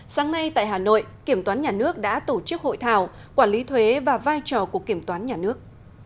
sáng nay tại hà nội kiểm toán nhà nước đã tổ chức hội thảo quản lý thuế và vai trò của kiểm toán nhà nước